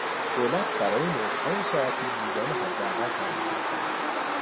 دولت برای مزدهای ساعتی میزان حداقل تعیین کرده است.